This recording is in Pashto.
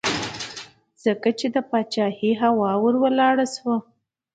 ځکه یې د پاچهۍ هوا ور ولاړه شوه.